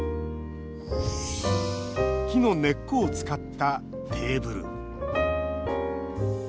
木の根っこを使ったテーブル。